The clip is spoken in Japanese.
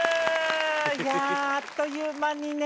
いやああっという間にね